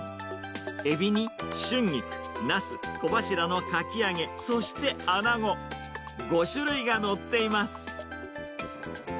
エビに春菊、ナス、小柱のかき揚げ、そしてアナゴ、５種類が載っています。